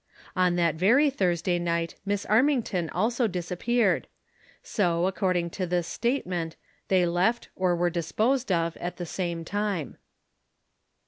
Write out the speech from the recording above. On that very Thursday night Miss Armington also dis appeared ; so, according to this statement, they left, or were disposed of, at the same time.